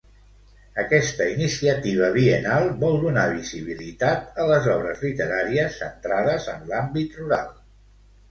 Aquesta iniciativa biennal vol donar visibilitat a les obres literàries centrades en l'àmbit rural.